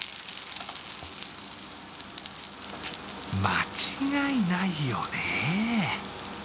間違いないよね。